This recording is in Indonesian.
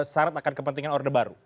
syarat akan kepentingan orde baru